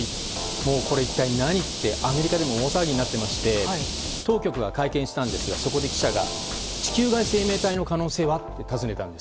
これ一体何って、アメリカでも大騒ぎになってまして当局は会見をしたんですがそこで記者が地球外生命体の可能性は？と尋ねたんです。